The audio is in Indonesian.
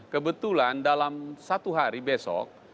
kebetulan dalam satu hari besok